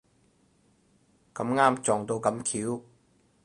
咁啱撞到咁巧